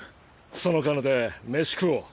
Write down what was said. その金で飯食おう。